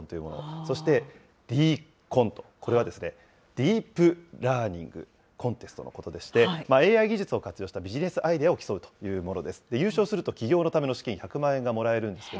そしてＤＣＯＮと、これはですね、ディープラーニング・コンテストのことでして、ＡＩ技術を活用したビジネスアイデアを競うというものです。